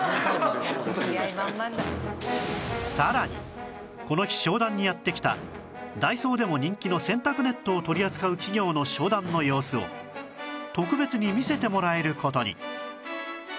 さらにこの日商談にやって来たダイソーでも人気の洗濯ネットを取り扱う企業の商談の様子を特別に見せてもらえる事に